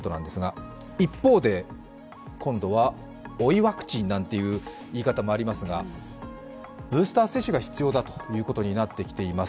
一方で、今度は追いワクチンなんて言い方もありますが、ブースター接種が必要だということになってきています。